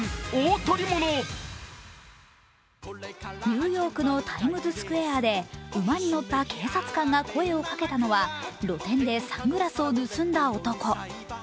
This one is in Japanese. ニューヨークのタイムズスクエアで馬に乗った警察官が声をかけたのは、露店でサングラスを盗んだ男。